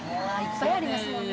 いっぱいありますもんね。